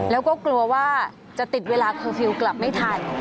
แล้วก็กลัวว่าจะติดเวลาเคอร์ฟิลล์กลับไม่ทัน